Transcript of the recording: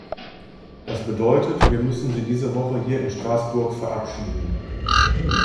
Das bedeutet, wir müssen sie diese Woche hier in Straßburg verabschieden.